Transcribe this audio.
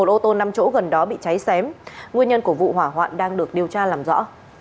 một ô tô năm chỗ gần đó bị cháy xém nguyên nhân của vụ hỏa hoạn đang được điều tra làm rõ